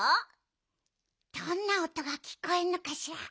どんなおとがきこえるのかしら。